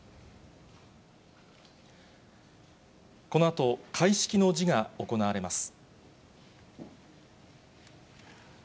このあと、開式の辞が行われます。